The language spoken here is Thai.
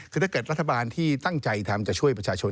คือถ้าเกิดรัฐบาลที่ตั้งใจทำจะช่วยประชาชน